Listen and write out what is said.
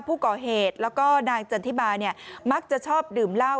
ผู้ก่อเหตุแล้วก็นางจันทิมาเนี่ยมักจะชอบดื่มเหล้า